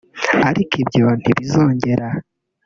ariko ibyo ntibizongera”